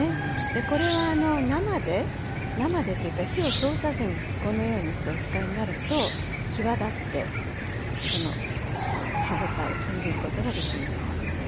でこれは生で生でというか火を通さずにこのようにしてお使いになると際立ってその歯応えを感じることができると思います。